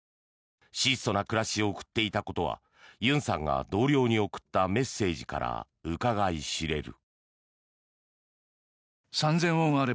質素な暮らしを送っていたことはユンさんが同僚に送ったメッセージからうかがい知れる。